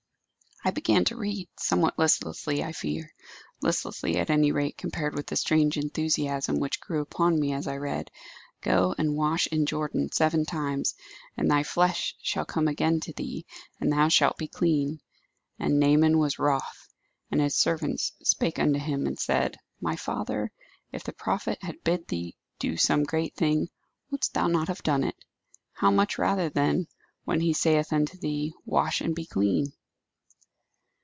I began to read, somewhat listlessly, I fear listlessly, at any rate, compared with the strange enthusiasm which grew upon me as I read, 'Go and wash in Jordan seven times, and thy flesh shall come again to thee, and thou shalt be clean. And Naaman was wroth.... And his servants spake unto him and said, My father, if the prophet had bid thee do some great thing, wouldest thou not have done it? how much rather then, when he saith unto thee, Wash, and be clean?